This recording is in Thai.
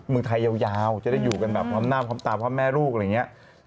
มือไทยยาวยาวจะได้อยู่แบบความหน้าความตาความแม่รูกอะไรอย่างนี้